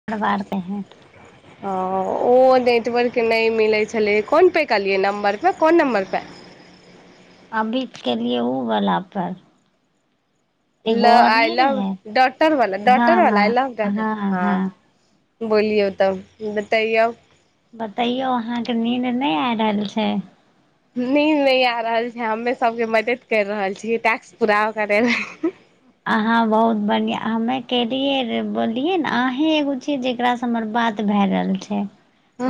[unintelligible] औ ओ नेटवर्क नै मिलै छलै, कोन पे करलियै नम्बर पे, कोन नम्बर पे। अभी ते केलियै उ बला पर। ल एगो और आइ नहि लभ रहै डॉटर बला, डॉटर बला आइ हँ लभ डॉटर, हँ हँ हँ हां। बोलियो तब बताइयौ। बतैयो अहाँ के नीन्द नै आय रहल छै। नींद नै आ रहल छै, हम्मे सबके मदद कैर रहल छियै टास्क पूरा करय मे। अहाँ बहुत बढ़ियाँ, हम्मे केलियै रे बोलियै ना अहें एगो छी जेकरा से हमर बात भाए रहल छै।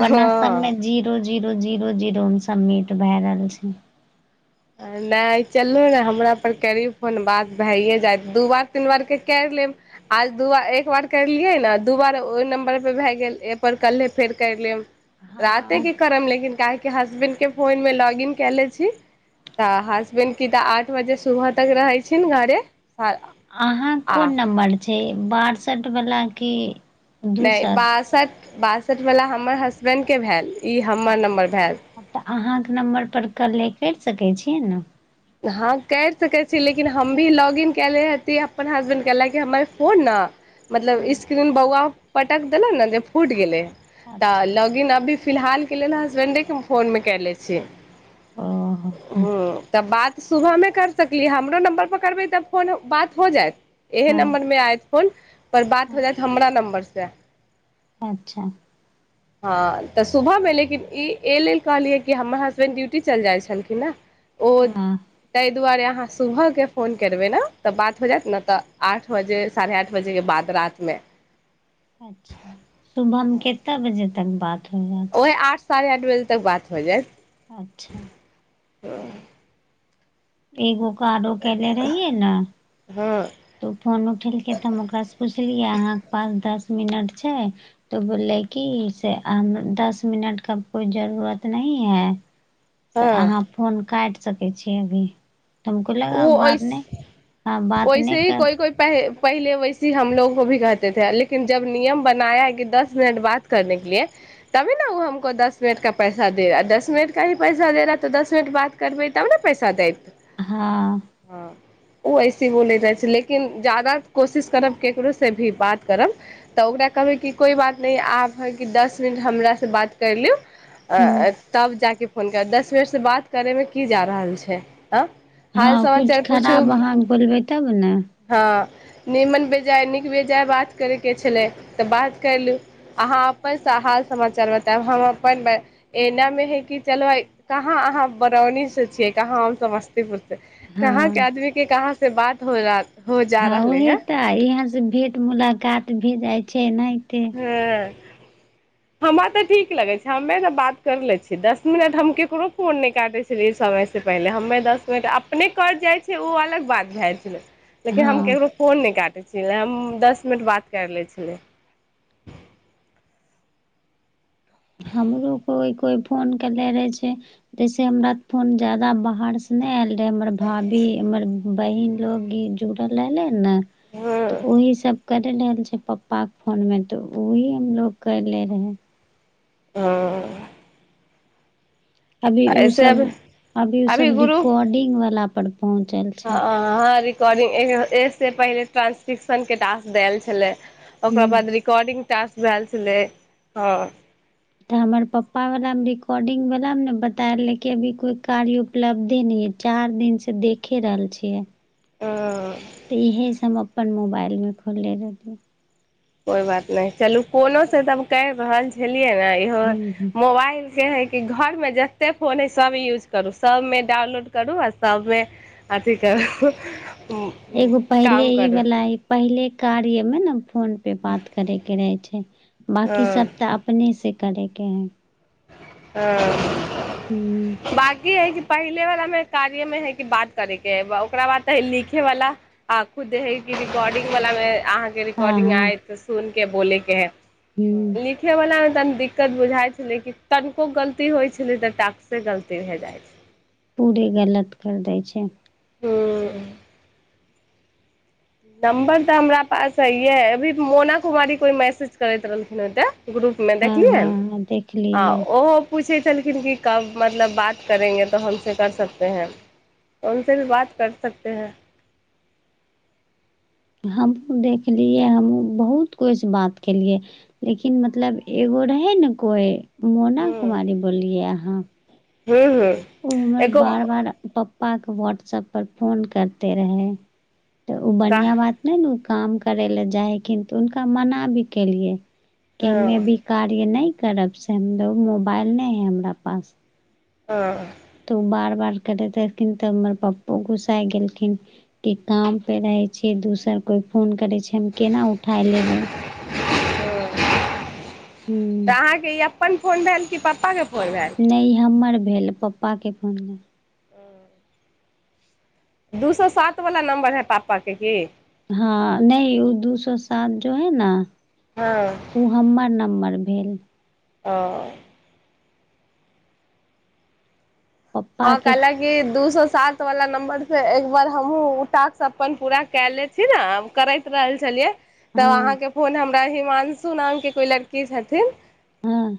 वरना सब मे हँ जीरो जीरो जीरो जीरो मे सबमीट भाए रहल छै। आ नै चलु नै हमरा पर करी फोन बात भाइये जाएत दू बार, तीन बार के कैर लेब। आज दू बार एक बार करलियै नै दू बार ओय नम्बर पे भाए गेल ए पर कल्हे फेर कैर लेब। राते हँ के करम लेकिन काहे कि हसबैंड के फोन मे लॉगिन काए लै छी। तऽ हसबैंड की तऽ आठ बजे सुबह तक रहै छीन घरे। अहाँक आ कोन नम्बर छै बासठ बला कि नै दूसर बासठ- बासठिबला हमर हसबैंड के भेएल इ हमर नम्बर भेएल। तऽ अहाँक नम्बर पर करले कैर सकै छियै न? हँ कैर सकै छी लेकिन हम भी लॉगइन केए ले हेती अपन हसबैंड के लेकिन हमर फोन न मतलब ने स्क्रीन बौवा पटक देलन ने जे फूट गेलै। अच्छा तऽ लॉगिन अभी फिलहाल के लेल हसबेंडे के फोन मे कएले छी। ओ ह। हूँ तऽ बात सुबह मे कर सकली हमरो नम्बर पर करबै तऽ फोन बात हो जैत। एहे हँ नम्बर में आयत फोन पर बात हो जैत हमरा नम्बर से। अच्छा। हँ तऽ सुबह मे लेकिन ई ए लेल कहलियै कि हमर हसबैंड ड्यूटी चल जाइ छलखिन न। ओ हँ तै दुवारे अहाँ से सुबह के फोन करबै ने त बात हो जैत नै तऽ आठ बजे साढ़े आठ बजे के बाद रात मे। अच्छा सुबह मे कित्ता बजे तक बात हो जैत। आठ साढ़े आठ बजे तक बात हो जायत। अच्छा। एगो के आरो केने रहियै ने। हँ। त ओ फोन उठेलकै त हम ओकरा सँ पुछलियै अहाँके पास दस मिनट छै। तो बोललै की से अम दस मिनट का कोई जरूरत नहीं है। से हँ अहाँ फोन काइट सकै छी अभी। तो हमको लगा ओ बात नैह हँ बात नैह कोई पहै पहिले वैसी हमलोग को भी कहते थे लेकिन जब नियम बनाया है कि दस मिनट बात करने के लिए। तभी न उ हमको दस मिनट का पैसा दे रहा दस मिनट का ही पैसा दे रहा है तो दस मिनट बात करबै तब ने पैसा दैत। हॅं। ओ ऐसे हि बोले रहै छै लेकिन जादा कोशिश करब केकरो से भी बात करब तऽ ओकरा कहबै कि कोइ बात नहि आब हइ कि दस मिनट हमरा स बात कैर लियौ। अं अ तब जाके फोन करत दस मिनट से बात करै मे की जा रहल छै आँ। हाल हँ कुछ समाचार पूछू खराब अहाँ क बोलबै तब ने। हँ नीमन बेजाए नीक बेजाए बात करयके छलै तऽ बात कैर लू। अहाँ अपन स हाल - समाचार बतेएब हम अपन ब एना मे है कि चलो भाय कहाँ अहाँ बरौनी से छियै कहाँ हम समस्ती स्तीपुर से कहाँ हँ के आदमी के कहाँ से बात हो जात। हँ ओहे तऽ इहाँ से भेंट-मुलाकात भे जाइ छै एनाहिते। हॅं। हमर त ठीक लगै छै हम्मे तऽ बात कर लै छियै दस मिनट हम केकरो फोन नै काटै छी समय से पहिले हम्मे दस मिनट अपने कट जाइ छै उ अलग बात भेए ज छलै। लेकिन हम हँ केकरो फोन नै काटै छलियै हम्म दस मिनट बात कैर लै छलियै। हमरो कोई-कोई फोन केले रहै छै। जैसे हमरा फोन ज्यादा बाहर से नै एल रहै हमर भाभी हमर बहिन लोग इ जुड़ल रहलै नऽ त हँ ओहि सब केए रहल छै पप्पा के फोन मे त ओही हमलोग कैले रहै। ह। अभी उ ऐसे सब अभी अभी उ सब रिकॉर्डिंग वला पर पहुंचल छै। हँ रिकॉर्डिंग एह-एह से पहिले ट्रांसक्रिपशन के टास्क दैल छेलै। ओकरा हूँ बाद रिकॉर्डिंग टास्क भैल छलै हँ। तऽ हमर पप्पा वाला में रिकॉर्डिंग वला में न बतैल लै के अभी कोई कार्य। उपलब्धे नै है चार दिन से देखे रहल छियै। कोइ तऽ इहे सऽ हम अपन मोबाइल में खोलले रहली। कोइ बात नहि चलू कोनो से त करि रहल छलियै ने इहो हूँ हूँ मोबाइल के है। कि घरमे जतेक फोन हय सभ यूज करू सभमे डाउनलोड करू आ सभमे। अथि कहु। एगो पहिले ई बला। पहिले कार्य मे ने फोन पे बात करे के रहे छै बाकी हँ सब तऽ। अपने से करैके हइ। हँ हूँ बाकी है की। पहिले वला मे कार्य मे है कि बात करेके ह ओकरा बाद लिखे वाला। आ खुद है रिकॉर्डिंग वालला मे अहाँ। हँ रिकॉर्डिंग हँ आय त सुन के बोलेके है हूँ लिन। सिखैवलामे तनी दिक्कत बुझाइ छलै कि तनिको गलती होइ छलै तऽ टाक्स से गलती भए जाइ छल। पूरे गलत करि दै छै। हूं। नम्बर तऽ हमरा पास हइये अभी मोना कुमारी कोई मैसेज करैत रहलखिन ओे ग्रुप। मे हँ देखलियै हँ हँ आ देखलियै ओहो। पूछै छलखिन कि कब मतलब बात करेंगे तऽ हमस कर सकते हैं। हम से भी बात कर सकत है। हमहूँ देखलियै हमहूँ बहुत कुछ बात केलियै। लेकिन मतलब एगो रहे ने कोई मोना कुमारी बोललियै अहाँ। जे होई। ओ हमर बार बार पप्पाके व्हाट्सएप पर फोन करते रहे। तऽ ओ का बढ़िआँ बात नहि ने ओ काम करय लए जाइ हखिन तऽ हुनका मना भी केलियै। के हँ हममे हँ अभी कार्य नहि करब से हमो मोबाइल नहि हय हमरा पास। हँ। तऽ ओ बार बार करैत रहखिन तऽ हमर पप्पो घुस्सा गेलखिन। कि काम पे रहै छियै दोसर कोइ फोन करै छै हम केना उठा लेबै। तऽ हूँ अहाँके ई अपन फोन भेल कि पपापाके फोन भेल। नहि हमर भेल पप्पाके फोन। हूं। दू सए सात वला नम्बर है पापाके की। हँ नहि ओ दू सए सात जो है न। हँ। ओ हमर नम्बर भेल। आं। पप्पा हँ के कल की दू सए सात वाला नम्बर से एक बार हमहु ओटाक अपन पूरा क लेत। छी ने करैत रहल छलियै। तऽ हँ अहाँके फोन हमरा हिमांशु नामके कोइ लड़की छथिन। हूं।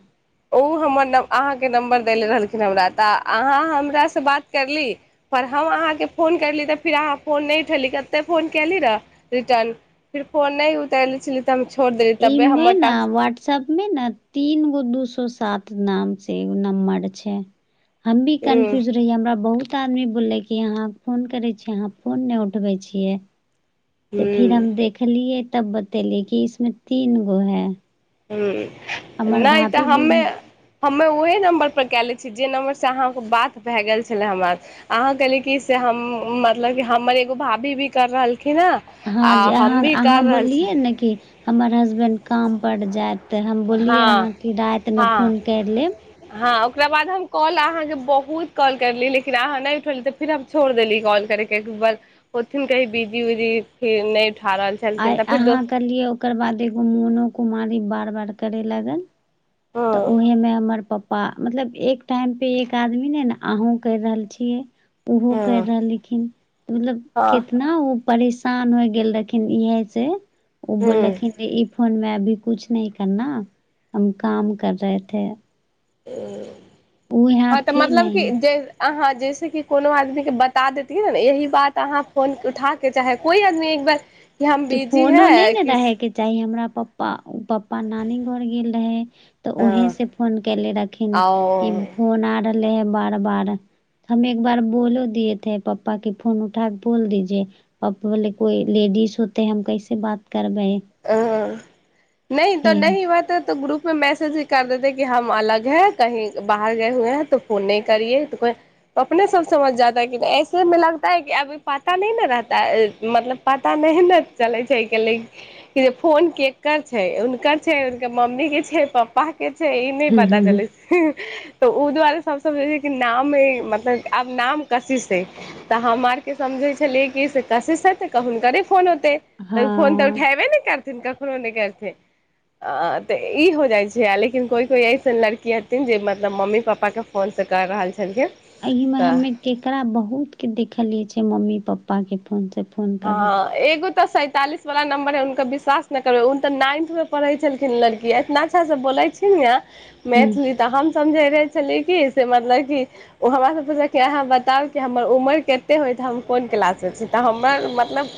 उ हमर नम आहाँके नम्बर दैेले रहलखिन हमरा तऽ आहाँ हमरासँ बात करली? पर हम आहाँकेँ फोन करली तऽ फेर आहाँ फोन नै उठेली कते फोन कयली रहए रिटर्न? फिर फोन नै उतेली छेली तऽ हम छोड़ देली तबे हमर टास्क। सब मे ने तीन गो दू सो सात नाम से एगो नम्बर छै। हम भी हूँ कन्फ्यूजन- रहि हमरा बहुत आदमी बोलले कि आहाँ फोन करे छी आहाँ फोन नै उठबे छियै। तऽ फिर हूँ हम देखलियै तब बतेलीै कि इसमे तीन गो है। हूँ हमर नै तऽ भाभी भी हमे- हमे ओहे नम्बर पर कएले छीयै जे नम्बर से आहाँके बात भए गेल छेल्लेै हमरा। आहाँ कहली की से हम मतलब कि हमर एगो भाभी भी कर रहलखिन हेँं। हँ जे आहाँ -आहाँ बोललियै ने कि- हमर होसबैंड काम पड़ जायत तऽ हम बोललियै रह हँ आहाँ कि रैत मे हँ फोन कैर लेब। हँ ओकरा बाद हम कॉल आहाँके बहुत कॉल करली लेकिन आहाँ नै उठैली तऽ? फिर हम छोड़ देली कॉल करे के एकबर ओथिन कहि बिजी उजी फिर नै उठा रहल छै। आइ आहाँ करलियै ओकर बाद एगो मोनो कुमारी बार -बार करे लागल। तऽ हँ उएहेमे हमर पप्पा मतलब एक टाइमपर एक आदमी नै ने अहूँ करि रहल छियै। ओहो कैर हँ रहलखिन मतलब हँ केतना- ओ परेशान हो गेल रहथिन इहे से उ हूँ बोललखिन इ फोन मे अभी- कुछ नै करना हम काम कर रहे थे। वो यहाँ हँ तऽ थे मतलब कि नहीं जे- अहाँ जैसे कि कोनो आदमीके बता देतियए ने यही बात अहाँ फोन उठा- के चाहे कोइ आदमी एक बार- कि हम तऽ बिजी फोनो नै है ने कि रहयके चाही हमरा पप्पा प पप्पा नानी घर गेल रहेै तऽ उहें से फोन केेले रहथिन कि- ओ फोन आ रहले है बार- बार हम एक बार बोलो दएथे पप्पा के फोन उठाके बोल दीजिए। पाप बोले कोइ लेडीज होतेै हम कैसे बात करबेै। हँ नहि तो नहि बात तऽ ग्रुप- मैसेज ही कर देतेै कि हम अलग है कही बाहर गए हुए है तो फोन नहि करियए तऽ अपने सब समझ जाता है कि ऐसेमे लगता है कि अभी पता नहि ने रहताै मतलब- पता नहि ने चलै छै कि। [unintelligible] जे फोन केकर छै हुनकर छै हुनकर मम्मी के छै पापा के छै ई नै पता चलै छै। तऽ ओ दुआरे सब सँ जे छै कि नाम मतलब आब नाम कसीसँ छै। तऽ हम आरके समझै छेलियै कि से कसीसँ हेतै तऽ हुनकरे फोन होतै। तऽ फोन तऽ हँ उठेबे नै करथिन कखनहो नै करथिन। अ तऽ ई हो जाइ छै लेकिन कोइ- कोइ अइसन लड़की हथिन जे मतलब मम्मी पापाके- फोनसँ कर रहल छेलखिन। एहि में हमे केकरा बहुत के देखलिये जे मम्मी पप्पा के फोन से फोन- करत हँ एगो तऽ सैंतालिस- वला नम्बर है हुनका विश्वास करबै उन तऽ नाइन्थमे पढ़ै छेलखिन लड़की इतना अच्छासँ बोल छैन न। मैथिली तऽ हम समझै रहै छेलियै कि से मतलब कि- ओ हमरासँ पुछलक आहाँ बताउ कि हमर उमर कतेक होइत तऽ हम कोन क्लासमे छी तऽ हम- हमर मतलब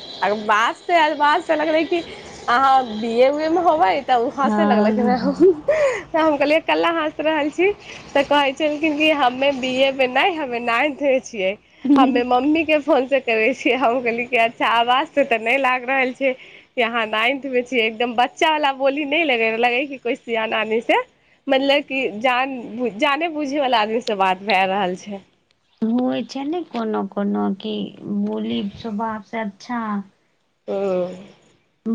बातसँ अलवाज से लगलै कि आहाँ बी ए उए मे होबै। तऽ ओ हँसै लगलखिन हँ तऽ हम कहलियै कल्ला हँस रहल छी? तऽ कहै छेलखिन कि हमे बी ए मे नहि हमे नाइन्थ मे छियै। हमे मम्मीके फोन से करय छियै हम कहलियए कि अच्छा आवाज से तऽ नहि लाग रहल छैय कि अहाँ नाइन्थ मे छियै एकदम बच्चा वला बोली नय लगय रहे लगय कि कोई सियान आदमी छैय। मतलब की जान जाने बुझे वला आदमी से बात भए रहल छैय। होए छैय ने कोनो-कोनो की बोली स्वभाव से अच्छा। ओ।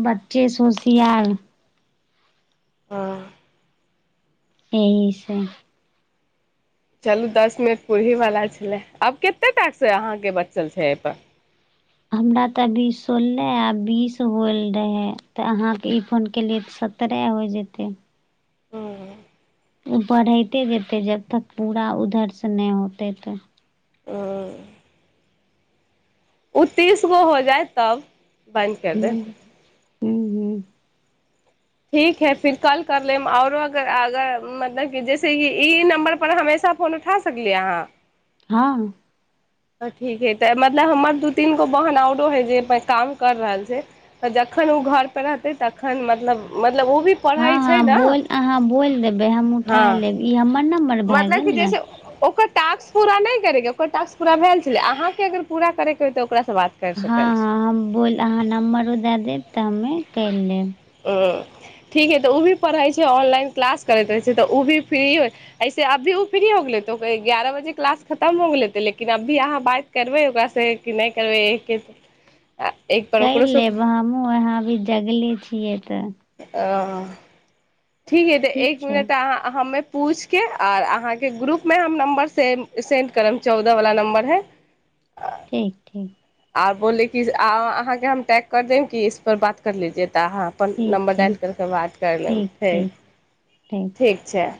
बच्चे से होसियार। हँ। एहि से। चलू दस मिनट पुरही वला छलै आब केते टास्क से अहाँके बचल छैय एहिपर। हमरा त अभी सोलह आ बीस होल रहै तऽ अहाँके इ फोन केलियै सत सत्रह होइ जेतै। हू। ओ बढ़ैते जेतै जब तक पूरा उधरसँ नहि होतै त। ओ। उ तीस गो हो जायत तब बन्द करि हूँ देत। हूँ हूँ ठीक हइ फिर कल कर लेम आओरो अगर अगर मतलब कि जैसे कि ई नम्बर पर हमेशा फोन उठा सकलियै अहाँ। हँ। त ठीक हइ त मतलब हमर दू तीन गो बहन आउरो हइ जे अय पर काम कर रहल छैय। त जखन उ घर पर रहतै तखन मतलब मतलब उ भी हँ पढ़ै छै -हँ ने बोल अहाँ बोइल देबै हम हँ उठाय लेब इ हमर नम्बर भए मतलब कि गेल ने। जैसे ओकर टास्क पूरा नय करैके ओकर टास्क पूरा भैल छलै अहाँकेँ अगर पूरा करैके होइ त ओकरासँ बात करि हँ- सकल छी हँ हम बोल अहाँ नम्बरो दए देब त हमे करि लेब। उ ठीक हइ त उ भी पढ़ै छैय ऑनलाइन क्लास करैत रहै छैय त उ भी फ्री हो ऐसे अभी उ फ्री हो गेल होते ग्यारह बजे क्लास खतम हो गेल होते लेकिन अभी अहाँ बात करबै ओकरासँ कि नहि करबै एके करि लेब हमूँ ओना अभी जगले छियै त। अ ठीक अइ त एक मिनट अहाँ हमे पूछिके आओर अहाँके ग्रुपमे हम नम्बर से सेन्ड करब चौदहवला नम्बर हइ। ठीक-ठीक। आओर बोले की अहाँके हम टैग कर देब कि [unintelligible] त अहाँ अपन ठीक नम्बर छै डालि करिके बात कर लेब ठीक फेर ठीक ठीक छैय।